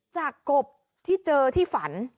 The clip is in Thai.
กบที่เจอที่ฝัน